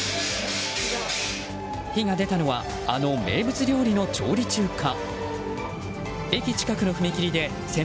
火が出たのはあの名物料理の調理中か？